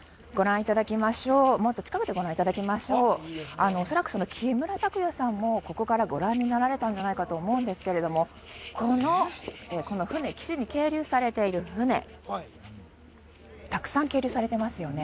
もっと近くでご覧いただきましょうおそらくその木村拓哉さんもここからご覧になられたんじゃないかと思うんですけれどもこのこの船たくさん係留されてますよね